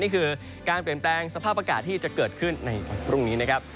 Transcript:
นี่คือการเปลี่ยนแปลงสภาพอากาศที่จะเกิดขึ้นในวันพรุ่งนี้นะครับ